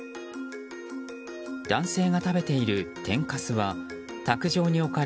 男性が食べている天かすは卓上に置かれ